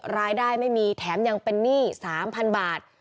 รายได้ไม่มีแถมยังเป็นหนี้๓๐๐๐บาท